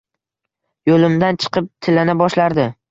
Yo’limdan chiqib tilana boshlardi.